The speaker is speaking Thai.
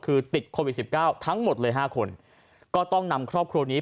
คือติดโควิด๑๙ทั้งหมดเลย๕คนก็ต้องนำครอบครัวนี้